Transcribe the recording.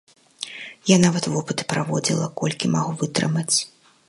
Я нават вопыты праводзіла, колькі магу вытрымаць.